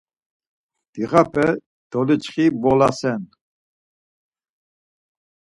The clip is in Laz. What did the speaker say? Dixape doliçxibolasen.